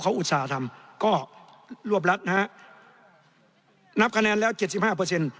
เขาอุตส่าห์ทำก็รวบรัดนะฮะนับคะแนนแล้วเจ็ดสิบห้าเปอร์เซ็นต